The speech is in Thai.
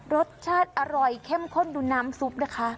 รสชาติอร่อยเข้มข้นดูน้ำซุปนะคะ